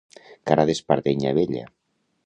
Cara d'espardenya vella.